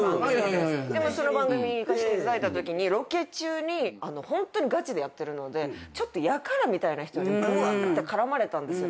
その番組行かしていただいたときにロケ中にホントにガチでやってるのでちょっとやからみたいな人にぶわーって絡まれたんですよ。